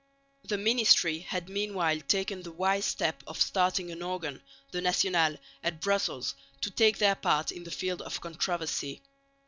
The ministry had meanwhile taken the wise step of starting an organ, the National, at Brussels to take their part in the field of controversy.